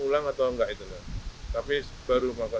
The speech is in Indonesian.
ulang atau enggak itu tapi baru makan